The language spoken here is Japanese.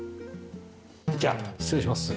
じゃあ失礼します。